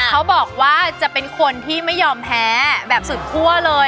เขาบอกว่าจะเป็นคนที่ไม่ยอมแพ้แบบสุดคั่วเลย